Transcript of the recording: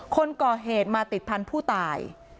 คนก่อเหตุมาติดพันธุ์ผู้ตาย